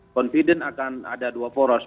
confident akan ada dua poros